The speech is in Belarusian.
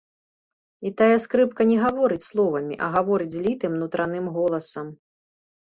І тая скрыпка не гаворыць словамі, а гаворыць злітым нутраным голасам.